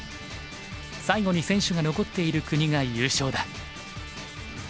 最後に選手が残っている国が優勝だ。